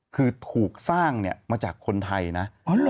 คือถูกสร้างมาจากคนไทยนะ